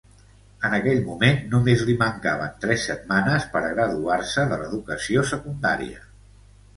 En aquell moment només li mancaven tres setmanes per a graduar-se de l'educació secundària.